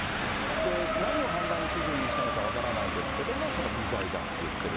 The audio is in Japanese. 何を判断基準にしたのか分からないですけれども、微罪だって言ってる。